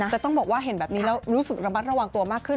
แต่ต้องบอกว่าเห็นแบบนี้แล้วรู้สึกระมัดระวังตัวมากขึ้น